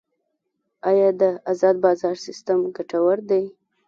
آیا د ازاد بازار سیستم ګټور دی؟